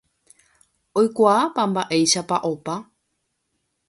oikuaápa ma'éichapa opa